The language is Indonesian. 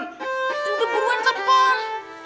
udah buruan telepon